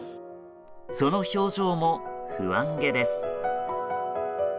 その表情も不安げです。